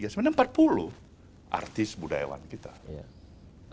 sebenarnya empat puluh artis budayawan kita